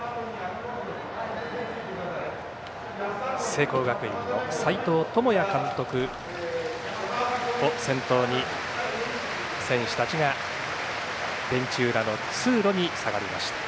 聖光学院の斎藤智也監督を先頭に選手たちがベンチ裏の通路に下がりました。